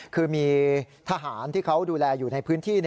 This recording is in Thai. คือมีทหารที่เขาดูแลอยู่ในพื้นที่